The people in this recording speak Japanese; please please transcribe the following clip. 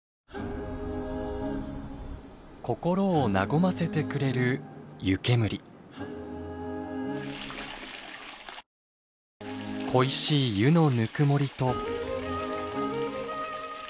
心を和ませてくれる恋しい湯のぬくもりと。